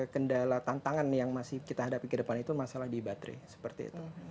kendala tantangan yang masih kita hadapi ke depan itu masalah di baterai seperti itu